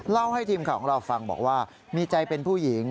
เล่าให้ทีมข่าวของเราฟังบอกว่ามีใจเป็นผู้หญิง